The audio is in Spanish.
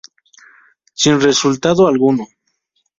Sin resultado alguno.